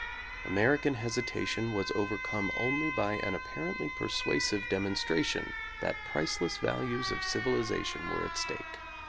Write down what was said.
American hesitation was overcome only by an apparently persuasive demonstration that priceless values of civilization were at stake.